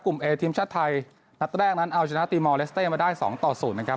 เอทีมชาติไทยนัดแรกนั้นเอาชนะตีมอลเลสเต้มาได้สองต่อศูนย์นะครับ